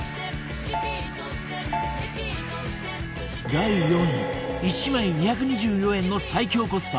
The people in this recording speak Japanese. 第４位１枚２２４円の最強コスパ